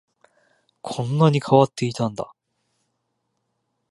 こんなに変わっていたんだ